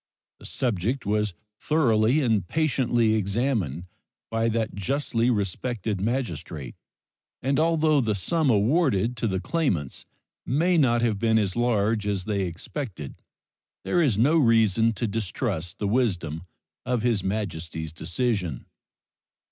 The subject was thoroughly and patiently examined by that justly respected magistrate, and although the sum awarded to the claimants may not have been as large as they expected there is no reason to distrust the wisdom of His Majesty's decision.